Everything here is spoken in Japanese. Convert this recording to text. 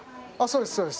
そうです